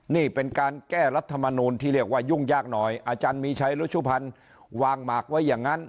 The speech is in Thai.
นี่เป็นการแก้รัฐมนูลที่เรียกว่ายุ่งยากหน่อยอาจารย์มีชัยรุชุพันธ์วางหมากไว้อย่างนั้น